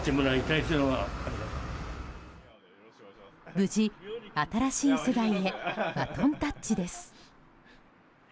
無事、新しい世代へバトンタッチです。